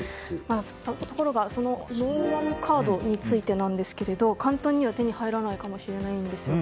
ところが、そのノーマルカードについてですが簡単には手に入らないかもしれないんです。